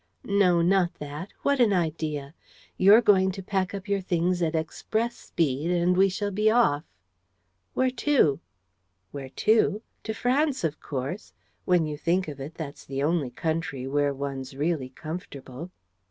"No, not that! What an idea! You're going to pack up your things at express speed and we shall be off." "Where to?" "Where to? To France, of course. When you think of it, that's the only country where one's really comfortable."